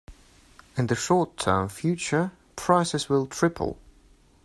In the short term future, prices will triple.